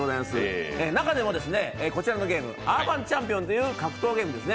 中でもこちらのゲーム「アーバンチャンピオン」という格闘ゲームですね。